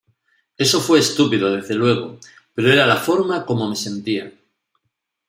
Eso fue estúpido, desde luego, pero era la forma cómo me sentía.